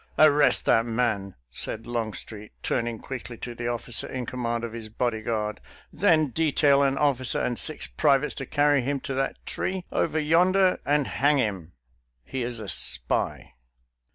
" Arrest that man," said Longstreet, turning quickly to the officer in command of his bodyguard ;" then detail an officer and six privates to carry him to that tree BATTLE OF SECOND MANASSAS 63 over yonder and hang him — ^he is a spy."